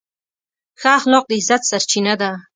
ښه اخلاق د عزت سرچینه ده.